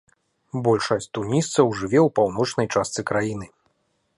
Большасць тунісцаў жыве ў паўночнай частцы краіны.